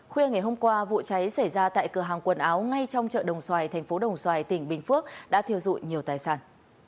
khuya ngày hôm qua vụ cháy xảy ra tại cửa hàng quần áo ngay trong chợ đồng xoài thành phố đồng xoài tỉnh bình phước đã thiêu dụi nhiều tài sản